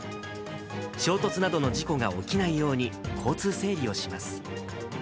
衝突などの事故が起きないように、交通整理をします。